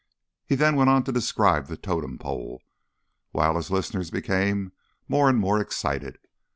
He then went on to describe the totem pole, while his listeners became more and more excited.